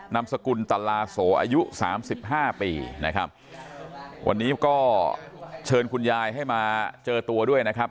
นามสกุลตลาโสอายุสามสิบห้าปีนะครับวันนี้ก็เชิญคุณยายให้มาเจอตัวด้วยนะครับ